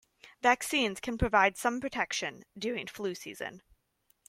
Vaccines can provide some protection during flu season.